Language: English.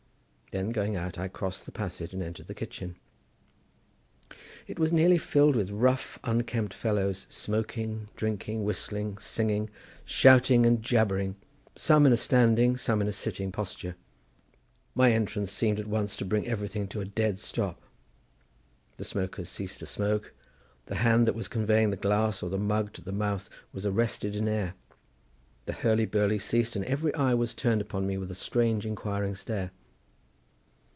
Then going out I crossed the passage and entered the kitchen. It was nearly filled with rough, unkempt fellows smoking, drinking, whistling, singing, shouting or jabbering, some in a standing, some in a sitting posture. My entrance seemed at once to bring everything to a dead stop; the smokers ceased to smoke, the hand that was conveying the glass or the mug to the mouth was arrested in air, the hurly burly ceased and every eye was turned upon me with a strange inquiring stare.